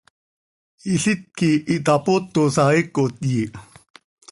Ilít quih itapootosa, heecot yiih.